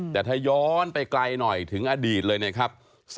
แต่ถ้าย้อนไปไกลหน่อยถึงอดีตเลยนะครับ